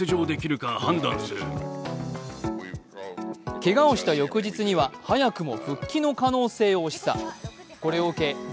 けがをした翌日には早くも復帰の可能性を示唆。